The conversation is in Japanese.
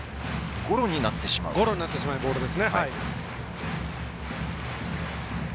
ゴロになってしまうボールです。